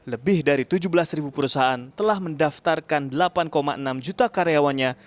lebih dari tujuh belas ribu perusahaan telah mendaftarkan delapan enam juta karyawannya